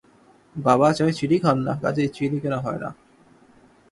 বাবা চায়ে চিনি খান না, কাজেই চিনি কেনা হয় না।